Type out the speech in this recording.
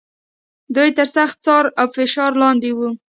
دوی تر سخت څار او فشار لاندې و.